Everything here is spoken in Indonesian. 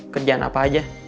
kerjaan apa aja